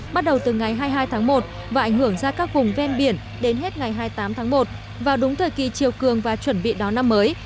bắt đầu từ ngày hai mươi hai tháng một và ảnh hưởng ra các vùng ven biển đến hết ngày hai mươi tám tháng một vào đúng thời kỳ chiều cường và chuẩn bị đón năm mới